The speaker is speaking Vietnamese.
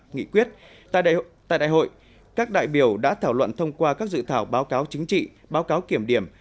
nghị quyết tại đại hội các đại biểu đã thảo luận thông qua các dự thảo báo cáo chính trị báo cáo kiểm điểm